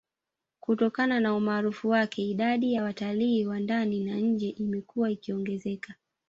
Kutokana na umaarufu wake idadi ya watalii wa ndani na nje imekuwa ikiongezeka